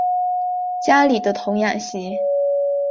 家里的童养媳